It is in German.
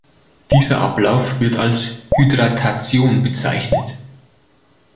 Dieser Ablauf wird als Hydratation bezeichnet.